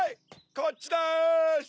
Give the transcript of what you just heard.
こっちです！